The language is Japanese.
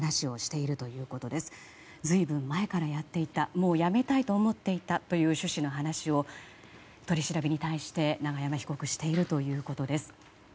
もうやめたいと思っていたという趣旨の話を取り調べに対して永山被告はしているということです。